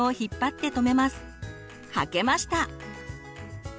履けました！